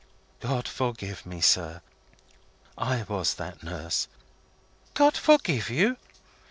"God forgive me, sir I was that nurse!" "God forgive you?"